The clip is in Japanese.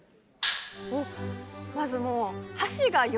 おっまずもう。